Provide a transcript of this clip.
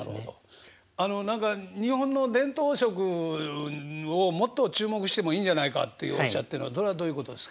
あの何か日本の伝統食をもっと注目してもいいんじゃないかっておっしゃってるのはどういうことですか？